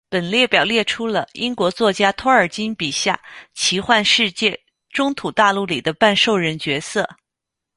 本列表列出了英国作家托尔金笔下奇幻世界中土大陆里的半兽人角色。